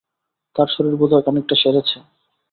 তার শরীর বোধ হয় খানিকটা সেরেছে।